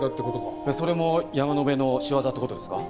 それも山野辺の仕業って事ですか？